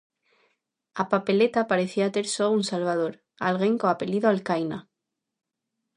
A papeleta parecía ter só un salvador: alguén co apelido Alcaina.